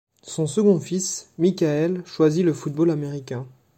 Son second fils, Michael, choisit le football américain.